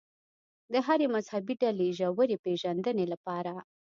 د هرې مذهبي ډلې ژورې پېژندنې لپاره.